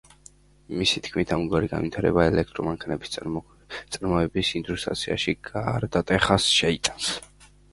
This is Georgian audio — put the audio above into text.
მისი თქმით, ამგვარი განვითარება ელექტრო მანქანების წარმოების ინდუსტრიაში გარდატეხას შეიტანს.